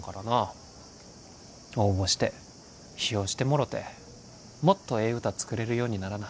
応募して批評してもろてもっとええ歌作れるようにならな。